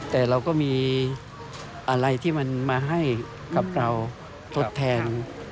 แต่เราก็มีอะไรที่มันมาให้กับเราทดแทน